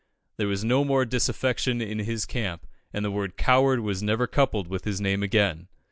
There was no more disaffection in his camp, and the word "coward" was never coupled with his name again.